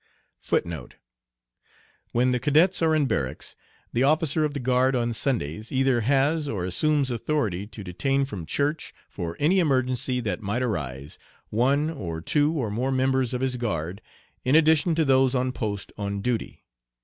* *When the cadets are in barracks, the officer of the guard on Sundays either has or assumes authority to detain from church, for any emergency that might arise, one or two or more members of his guard, in addition to those on post on duty.